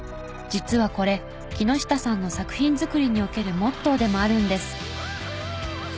実はこれ木下さんの作品作りにおけるモットーでもあるんです。